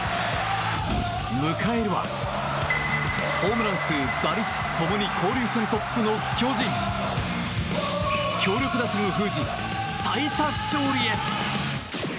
迎えるはホームラン数、打率共に交流戦トップの巨人。強力打線を封じ、最多勝利へ。